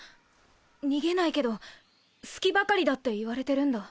逃げないけど隙ばかりだって言われてるんだ。